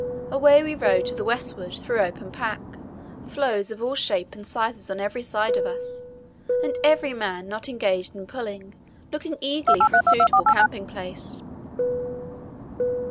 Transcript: Away we rowed to the westward through open pack, floes of all shapes and sizes on every side of us, and every man not engaged in pulling looking eagerly for a suitable camping place.